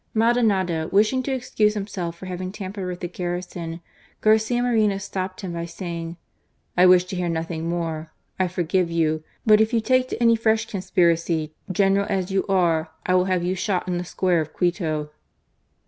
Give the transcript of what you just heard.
Maldonado wishing to excuse himself for having tampered with the garrison, Garcia Moreno stopped him by saying :" I wish to hear nothing more. I forgive you ; but if you take to any fresh conspiracy. General as you are, I will have you shot in the square of Quito."